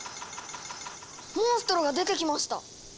モンストロが出てきました。